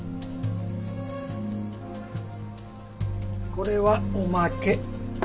これはおまけ。